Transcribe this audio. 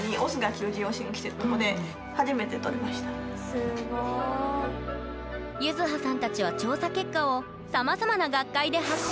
すごい。ゆずはさんたちは調査結果をさまざまな学会で発表。